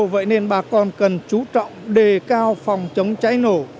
vậy nên bà con cần chú trọng đề cao phòng chống cháy nổ